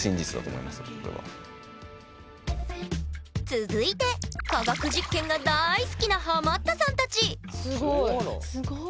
続いて科学実験が大好きなハマったさんたちすごい。